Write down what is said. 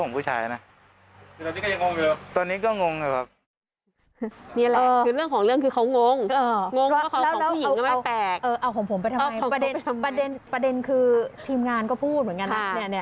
ของผมไปทำไมประเด็นคือทีมงานก็พูดเหมือนกันน่ะ